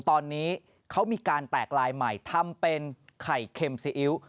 ตอนนี้เขามีการแตกลายใหม่ทำเป็นไข่เค็มซีอิ๊ว